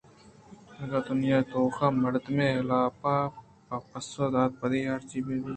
اگاں دنیا ءِ توک ءَمردمےءِ حلاپ ءَ باپشت ءَ بدی ہرچنت بہ بیت